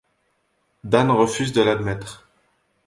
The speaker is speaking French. Dan refuse de l'admettre.